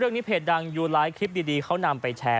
เรื่องนี้เพจดังอยู่ไลค์คลิปดีเขานำไปแชร์